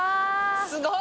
すごい！